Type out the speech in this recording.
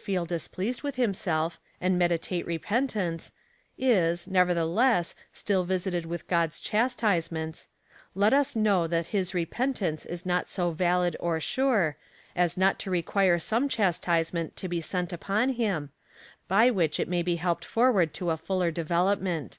393 displeased with liimself, and meditate repentance, is, never theless, still visited with God's chastisements, let us know that his repentance is not so valid or sure, as not to require some chastisement to be sent upon him, by which it may be helped forward to a fuller development.